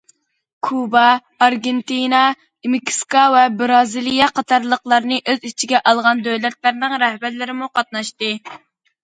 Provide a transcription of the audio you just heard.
كۇبا، ئارگېنتىنا، مېكسىكا ۋە بىرازىلىيە قاتارلىقلارنى ئۆز ئىچىگە ئالغان دۆلەتلەرنىڭ رەھبەرلىرىمۇ قاتناشتى.